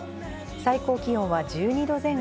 最高気温は１２度前後。